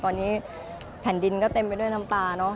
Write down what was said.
ตอนนี้แผ่นดินก็เต็มไปด้วยน้ำตาเนอะ